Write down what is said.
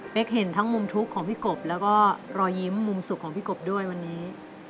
เห็นทั้งมุมทุกข์ของพี่กบแล้วก็รอยยิ้มมุมสุขของพี่กบด้วยวันนี้